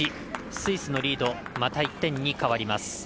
スイスのリードまた１点に変わります。